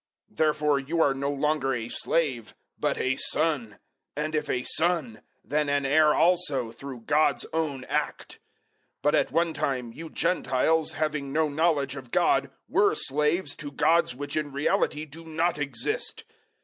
004:007 Therefore you are no longer a slave, but a son; and if a son, then an heir also through God's own act. 004:008 But at one time, you Gentiles, having no knowledge of God, were slaves to gods which in reality do not exist.